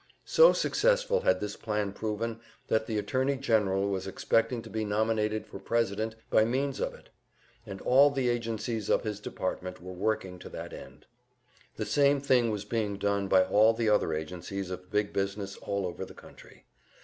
So successful had this plan proven that the Attorney General was expecting to be nominated for President by means of it, and all the agencies of his department were working to that end. The same thing was being done by all the other agencies of big business all over the country.